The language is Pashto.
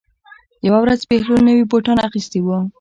یوه ورځ بهلول نوي بوټان اخیستي وو.